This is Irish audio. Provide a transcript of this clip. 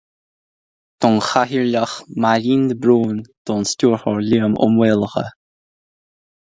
don Chathaoirleach Máirín de Brún; don Stiúrthóir Liam Ó Maolaodha